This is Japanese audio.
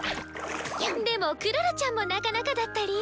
でもクララちゃんもなかなかだったり？